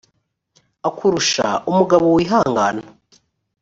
akurusha umugabo wihangana.